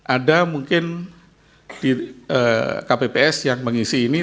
ada mungkin di kpps yang mengisi ini